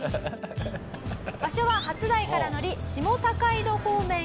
場所は初台から乗り下高井戸方面へ進みます。